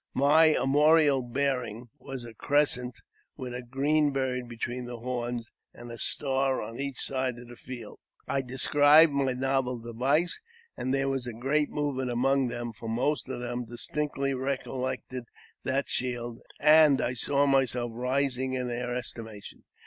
My " armorial bearing" was a crescent, with a green bird between the horns, and a star on each side the field. I described my novel device, and their was a great movement among them, for most of them distinctly recollected that shield, and I saw myself rising in their estimation.